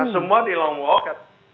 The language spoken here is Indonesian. semua di long walk